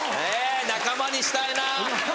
仲間にしたいな。